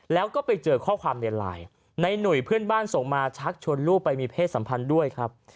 แล้วก็ไปเจอข้อความในไลน์ในหนุ่ยเพื่อนบ้านส่งมาชักชวนลูกไปมีเพศสัมพันธ์ด้วยครับ